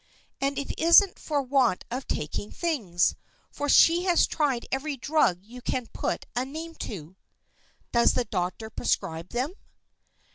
And it isn't for want of taking things, for she has tried every drug you can put a name to." "Does the doctor prescribe them?"